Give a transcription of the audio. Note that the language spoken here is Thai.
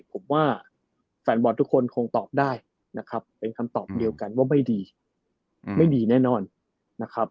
ผมว่าแฟนบอลทุกคนคงตอบได้นะครับเป็นคำตอบเดียวกันว่าไม่ดีไม่ดีแน่นอนนะครับ